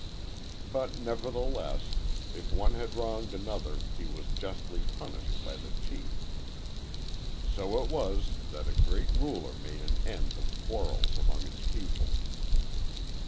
But, nevertheless, if one had wronged another he was justly punished by the chief. So it was that a great ruler made an end of quarrels among his people."